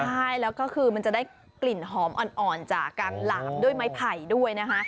ใช่แล้วก็คือมันจะได้กลิ่นหอมอ่อนจากการหลามด้วยไม้ไผ่ด้วยนะคะ